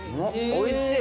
おいしい。